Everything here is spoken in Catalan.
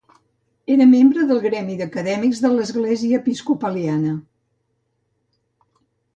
Era membre del Gremi d'Acadèmics de l'Església episcopaliana.